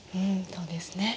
そうですね。